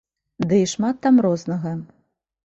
Ды і шмат там рознага.